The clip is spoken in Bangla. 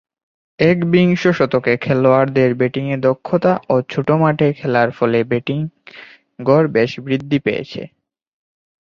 একবিংশ শতকে খেলোয়াড়দের ব্যাটিংয়ে দক্ষতা ও ছোট মাঠে খেলার ফলে ব্যাটিং গড় বেশ বৃদ্ধি পেয়েছে।